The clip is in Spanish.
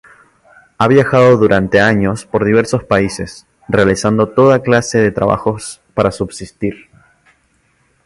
Ha viajado durante años por diversos países, realizando toda clase de trabajos para subsistir.